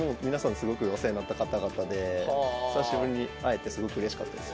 すごくお世話になった方々で久しぶりに会えてすごくうれしかったです。